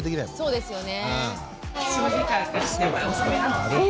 そうですよね。